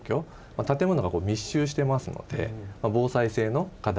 建物が密集してますので防災性の課題があると。